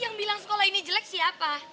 yang bilang sekolah ini jelek siapa